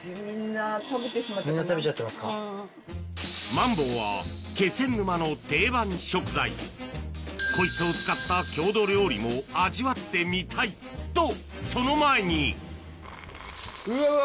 マンボウはこいつを使った郷土料理も味わってみたいとその前にうわうわ